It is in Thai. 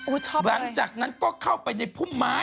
โอ้โฮชอบเลยหลังจากนั้นก็เข้าไปในพุ่มไม้